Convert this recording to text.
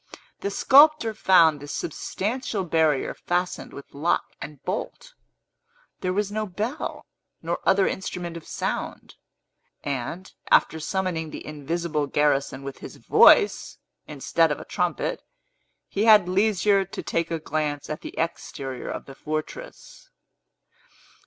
The sculptor found this substantial barrier fastened with lock and bolt. There was no bell, nor other instrument of sound; and, after summoning the invisible garrison with his voice, instead of a trumpet, he had leisure to take a glance at the exterior of the fortress.